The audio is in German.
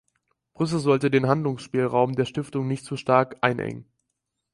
Brüssel sollte den Handlungsspielraum der Stiftung nicht zu stark einengen.